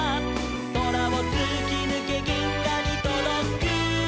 「そらをつきぬけぎんがにとどく」